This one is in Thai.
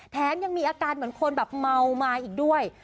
แถมยังมีอาการเหมือนคนแบบเมามาอีกด้วย